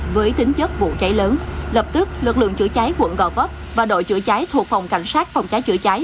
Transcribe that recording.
với tính chất vụ cháy lớn lập tức lực lượng chữa cháy quận gò vấp và đội chữa cháy thuộc phòng cảnh sát phòng cháy chữa cháy